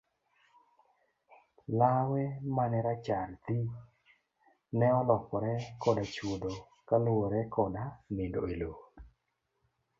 Lawe mane rachar thii ne olokore koda chuodho kaluwore koda nindo e loo.